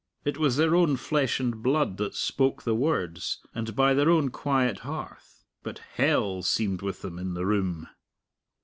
It was their own flesh and blood that spoke the words, and by their own quiet hearth. But hell seemed with them in the room.